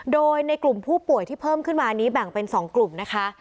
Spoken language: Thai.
โดยในกลุ่มผู้ป่วยที่เพิ่มขึ้นมานี้แบ่งเป็น๒กลุ่มนะคะ